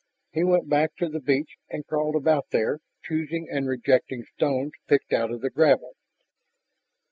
He went back to the beach and crawled about there, choosing and rejecting stones picked out of the gravel.